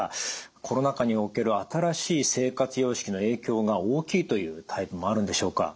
コロナ禍における新しい生活様式の影響が大きいというタイプもあるんでしょうか？